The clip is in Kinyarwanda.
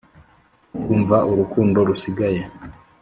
kumva urukundo rusigaye.